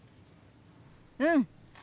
うん！